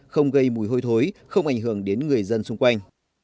không gây mùi hôi thối không ảnh hưởng đến người dân xung quanh